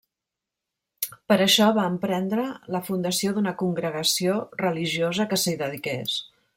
Per això, va emprendre la fundació d'una congregació religiosa que s'hi dediqués.